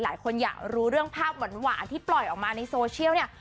หลายคนอยากรู้เรื่องภาพหวานที่ปล่อยออกมาในโซเชียลเนี่ย